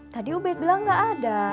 tadi ub bilang gak ada